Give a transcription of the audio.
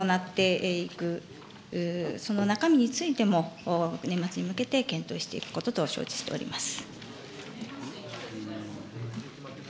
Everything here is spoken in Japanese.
その際、徹底した歳出改革を行っていく、その中身についても、年末に向けて検討していくことと承知しております。